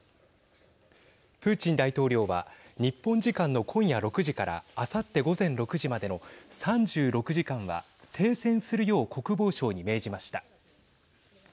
プーチン大統領は日本時間の今夜６時からあさって午前６時までの３６時間は停戦するよう国防省に命じました。